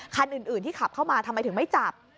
คันอื่นที่ขับเข้ามาทำไมถึงไม่จับ